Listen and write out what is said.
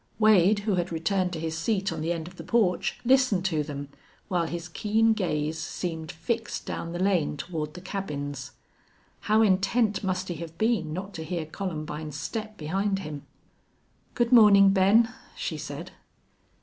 Wade, who had returned to his seat on the end of the porch, listened to them, while his keen gaze seemed fixed down the lane toward the cabins. How intent must he have been not to hear Columbine's step behind him! "Good morning, Ben," she said.